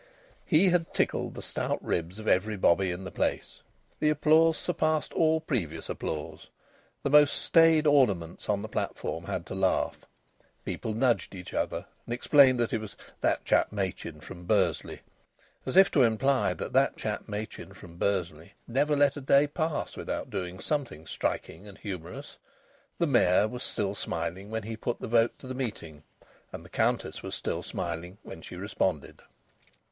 He had tickled the stout ribs of every bobby in the place. The applause surpassed all previous applause. The most staid ornaments of the platform had to laugh. People nudged each other and explained that it was "that chap Machin from Bursley," as if to imply that that chap Machin from Bursley never let a day pass without doing something striking and humorous. The Mayor was still smiling when he put the vote to the meeting, and the Countess was still smiling when she responded.